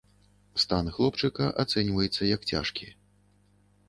Стан хлопчыка ацэньваецца як цяжкі.